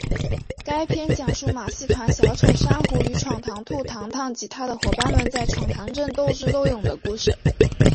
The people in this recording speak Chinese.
该片讲述马戏团小丑珊瑚与闯堂兔堂堂及他的伙伴们在闯堂镇斗智斗勇的故事。